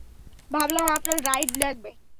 ভাবলাম আপনার রাইড লাগবে।